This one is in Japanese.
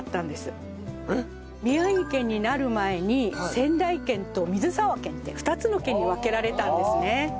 宮城県になる前に仙台県と水沢県って２つの県に分けられたんですね。